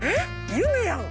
夢やん！